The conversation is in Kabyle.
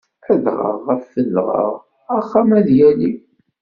Adɣaɣ af wedɣaɣ, axxam ad yali.